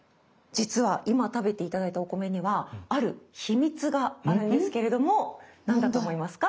実は今食べて頂いたお米にはある秘密があるんですけれども何だと思いますか？